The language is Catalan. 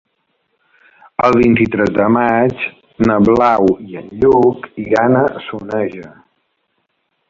El vint-i-tres de maig na Blau i en Lluc iran a Soneja.